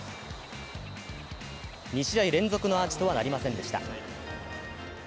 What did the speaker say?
２試合連続のアーチとはなりませんでした。